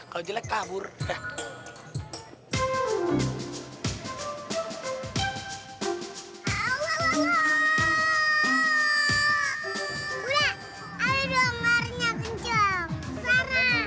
jangan lari kanjong